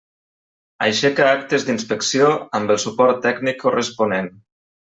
Aixeca actes d'inspecció amb el suport tècnic corresponent.